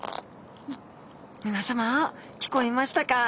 皆さま聞こえましたか？